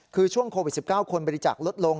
คือช่วงโควิด๑๙คนบริจาคลดลง